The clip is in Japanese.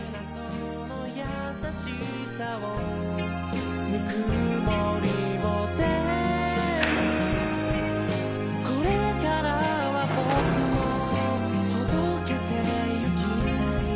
その優しさを温もりを全部これからは僕も届けていきたい